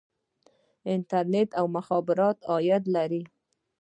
انټرنیټ او مخابرات عاید لري